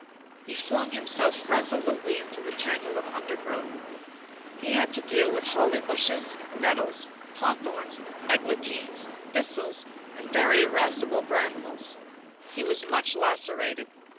He flung himself resolutely into the tangle of undergrowth. He had to deal with holly bushes, nettles, hawthorns, eglantines, thistles, and very irascible brambles. He was much lacerated.